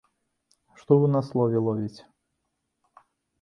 Што вы на слове ловіце?!